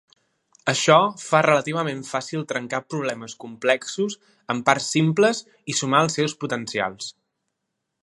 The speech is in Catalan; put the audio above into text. Això fa relativament fàcil trencar problemes complexos en parts simples i sumar els seus potencials.